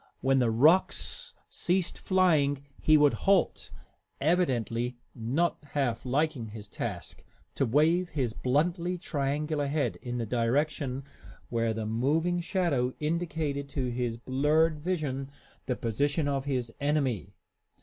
When the rocks ceased flying he would halt, evidently not half liking his task, to wave his bluntly triangular head in the direction where the moving shadow indicated to his blurred vision the position of his enemy.